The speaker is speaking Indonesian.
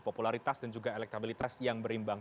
popularitas dan juga elektabilitas yang berimbang